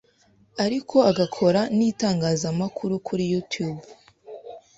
ariko agakora n’itangazamakuru kuri Youtube,